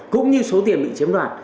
cũng như số tiền bị chiếm đoạt